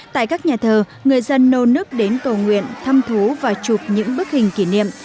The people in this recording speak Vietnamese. tại các nhà thờ người dân nô nức đến cầu nguyện thăm thú và chụp những bức hình kỷ niệm